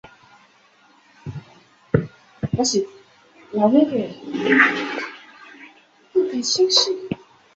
患病人数达什么水平才可称为罕见病目前并无一致意见。